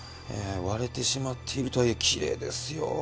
割れてしまっているとはいえ奇麗ですよ。